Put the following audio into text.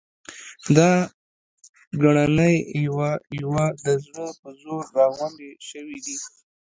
دا ګړنی یوه یوه د زړه په زور را غونډې شوې دي.